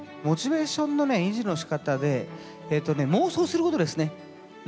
モチベーションのね維持のしかたで妄想することですね。